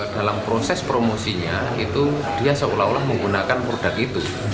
dalam proses promosinya itu dia seolah olah menggunakan produk itu